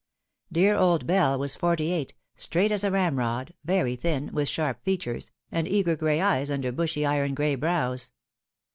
Dear old Bell was forty eight, straight as a ramrod, very thin, with sharp features, and eager gray eyes under bushy iron gray brows.